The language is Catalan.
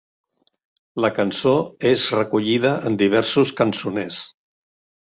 La cançó és recollida en diversos cançoners.